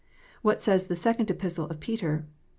What says the Second Epistle of Peter?